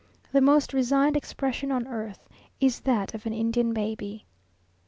The most resigned expression on earth is that of an Indian baby.